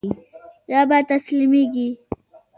يا به تسليمېږي.